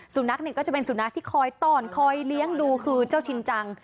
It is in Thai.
สุนัขเนี่ยก็จะเป็นสุนัขที่คอยต้อนคอยเลี้ยงดูคือเจ้าชินจัง